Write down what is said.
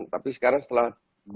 tapi sekarang setelah